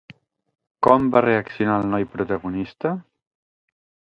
Com va reaccionar el noi protagonista?